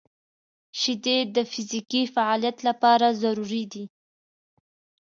• شیدې د فزیکي فعالیت لپاره ضروري دي.